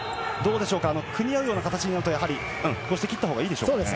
組み合うような形になると切ったほうがいいでしょうか？